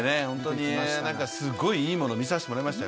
すごいいいもの見させてもらいました。